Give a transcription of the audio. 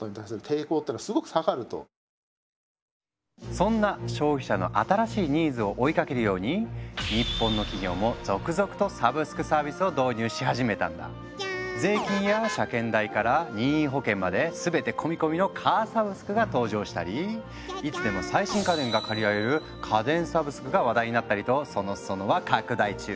そんな消費者の新しいニーズを追いかけるように日本の税金や車検代から任意保険まで全て込み込みの「カーサブスク」が登場したりいつでも最新家電が借りられる「家電サブスク」が話題になったりとその裾野は拡大中。